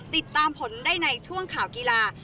ติดตามผลได้ในช่วงข่าวกีฬา